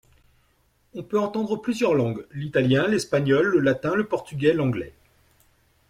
On peut entendre plusieurs langues, l'italien, l'espagnol, le latin, le portugais, l'anglais.